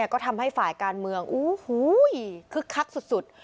ก็ทำให้ฝ่ายการเมืองคึกคักสุด